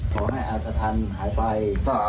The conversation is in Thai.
ขอให้อาสธรรมหายไป